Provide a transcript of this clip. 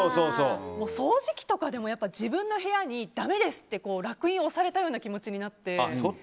掃除機とかでも自分の部屋がだめですって烙印を押されたような気持ちになって。